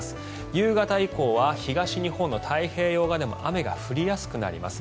夕方以降は東日本の太平洋側でも雨が降りやすくなります。